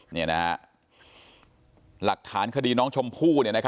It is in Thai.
เนี้ยนะฮะหลักฐานคดีน้องชมพู่เนี้ยนะครับ